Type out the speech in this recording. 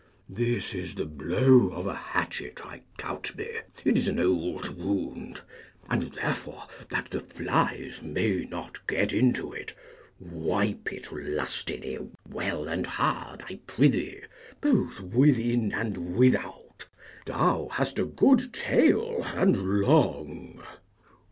This is the blow of a hatchet, I doubt me; it is an old wound, and therefore, that the flies may not get into it, wipe it lustily well and hard, I prithee, both within and without; thou hast a good tail, and long.